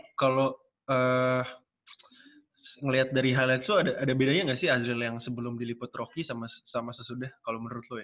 nah kalau ngeliat dari highlights lu ada bedanya nggak sih azril yang sebelum diliput rocky sama sesudah kalau menurut lu ya